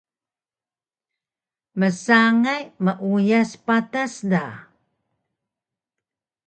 Msangay meuays patas da